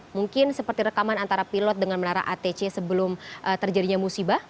mungkin seperti rekaman antara pilot dengan menara atc sebelum terjadinya musibah